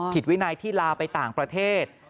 ผิดวินัยที่ลาไปต่างประเทศ